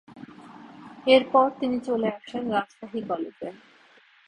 এরপর তিনি চলে আসেন রাজশাহী কলেজে।